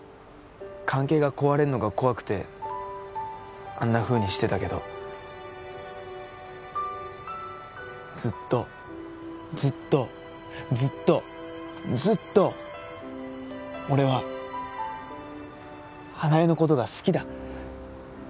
関係が壊れるのが怖くてあんなふうにしてたけどずっとずっとずっとずっと俺は花枝のことが好きだ